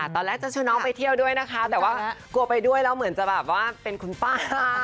ตอนแรกจะช่วยน้องไปเที่ยวด้วยนะครับแต่กลัวไปด้วยเหมือนว่าจะมีคนเปิ่งแปลง